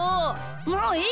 もういい！